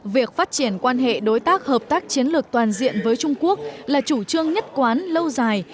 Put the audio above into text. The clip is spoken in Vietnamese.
việc phát triển quan hệ đối tác hợp tác chiến lược toàn diện với trung quốc là chủ trương nhất quán lâu dài